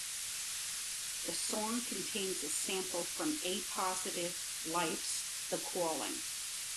The song contains a sample from A Positive Life's "The Calling".